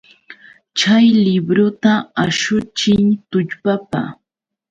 Chay libruta ashuchiy tullpapa!